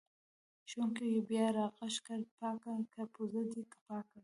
ښوونکي بیا راغږ کړ: پاکه که پوزه دې پاکه که!